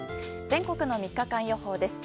全国の３日間予報です。